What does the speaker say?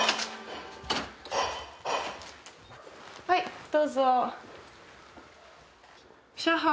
はいどうぞ。